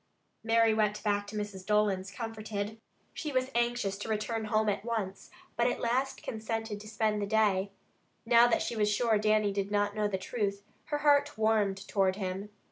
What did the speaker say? Mary went back to Mrs. Dolan's comforted. She was anxious to return home at once, but at last consented to spend the day. Now that she was sure Dannie did not know the truth, her heart warmed toward him.